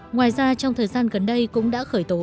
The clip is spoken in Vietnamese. ngoài ra trong thời gian gần đây cũng đã khởi tố